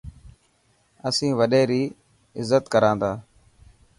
اسين وڏي ري غلط ڪرنا تا.